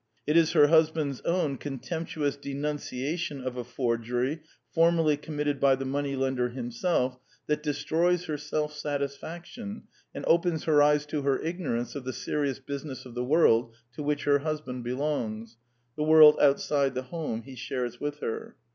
It is her husband's own contemptuous denunciation of a forgery formerly committed by the money lender himself that destroys her self satisfaction and opens her eyes to her ignorance of the serious business of the world to which her husband be longs : the world outside the home he shares with her.